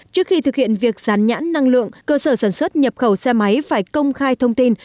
trước khi thực hiện việc gián nhãn năng lượng cơ sở sản xuất nhập khẩu xe máy phải công khai thông tin